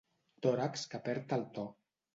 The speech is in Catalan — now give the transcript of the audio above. Tòrax que perd el to.